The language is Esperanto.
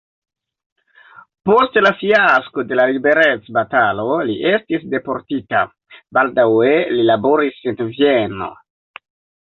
Post la fiasko de la liberecbatalo li estis deportita, baldaŭe li laboris en Vieno.